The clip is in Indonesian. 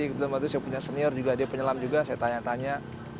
kebetulan waktu itu saya punya senior juga dia penyelam juga saya tanya tanya